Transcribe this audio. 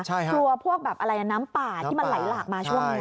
กลัวพวกแบบอะไรน้ำป่าที่มันไหลหลากมาช่วงนี้